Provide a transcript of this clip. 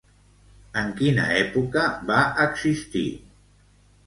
En quina època va existir?